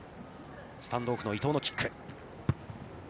スタンドオフの伊藤のキック。